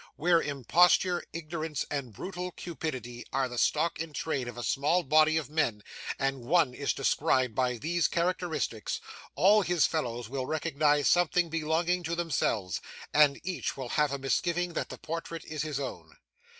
Where imposture, ignorance, and brutal cupidity, are the stock in trade of a small body of men, and one is described by these characteristics, all his fellows will recognise something belonging to themselves, and each will have a misgiving that the portrait is his own.